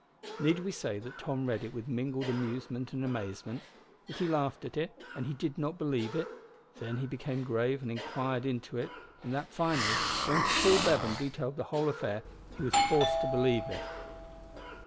Need we say that Tom read it with mingled amusement and amazement; that he laughed at it, and did not believe it; that he became grave, and inquired into it; and that finally, when Paul Bevan detailed the whole affair, he was forced to believe it?